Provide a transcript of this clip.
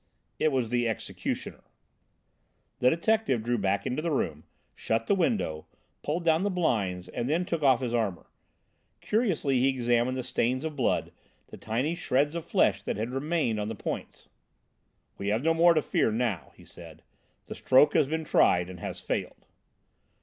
"It was the 'executioner.'" The detective drew back into the room, shut the window, pulled down the blinds, and then took off his armour. Curiously he examined the stains of blood, the tiny shreds of flesh that had remained on the points. "We have no more to fear now," he said, "the stroke has been tried and has failed."